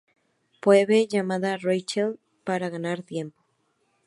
Phoebe llama a Rachel para ganar tiempo.